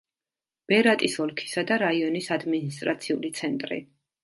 ბერატის ოლქისა და რაიონის ადმინისტრაციული ცენტრი.